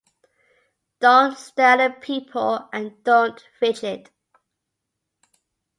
Don’t stare at people and don’t fidget.